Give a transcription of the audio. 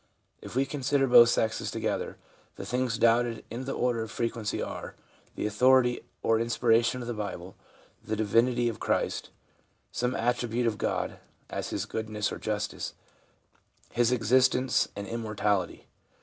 If we consider both sexes together, the things doubted in the order of frequency are: the authority or inspiration of the Bible, the divinity of Christ, some attribute of God (as His goodness or justice), His existence, and immortality.